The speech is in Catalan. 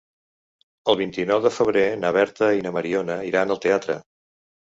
El vint-i-nou de febrer na Berta i na Mariona iran al teatre.